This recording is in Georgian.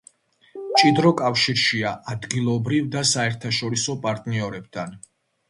მჭიდრო კავშირშია ადგილობრივ და საერთაშორისო პარტნიორებთან.